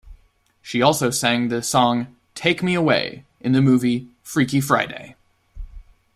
She also sang the song "Take Me Away" in the movie "Freaky Friday".